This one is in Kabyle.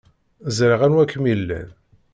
Ẓriɣ anwa kem-ilan.